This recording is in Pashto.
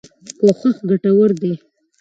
کوښښ ګټور دی.